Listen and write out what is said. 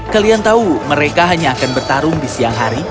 kalian tahu mereka hanya akan bertarung di siang hari